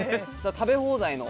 食べ放題の？